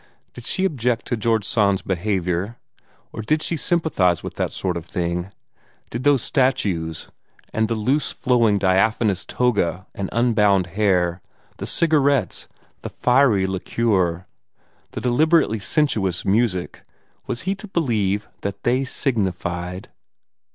Did she object to George Sand's behavior? Or did she sympathize with that sort of thing? Did those statues, and the loose flowing diaphonous toga and unbound hair, the cigarettes, the fiery liqueur, the deliberately sensuous music was he to believe that they signified